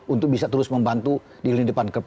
untuk bisa terus membantu di lini depan